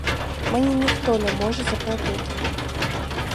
Мені ніхто не може заплатити.